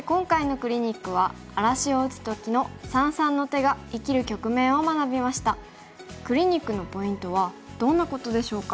クリニックのポイントはどんなことでしょうか。